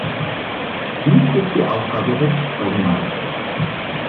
Dies ist die Aufgabe des Sprengmeisters.